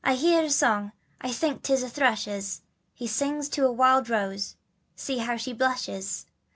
HEAR a Song I think 'tis a thrush's. He sings to the Wild Rose See how she blushes!